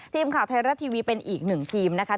ทีมข่าวไทยรัฐทีวีเป็นอีกหนึ่งทีมนะคะ